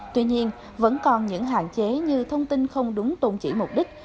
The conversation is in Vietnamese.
tuy nhiên vẫn còn những hạn chế như thông tin không đúng tôn chỉ mục đích